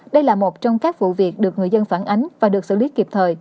đây là một trong các vụ việc được người dân phản ánh và được xử lý kịp thời